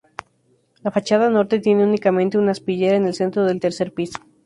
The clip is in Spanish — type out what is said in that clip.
La fachada Norte tiene únicamente una aspillera en el centro del tercer piso.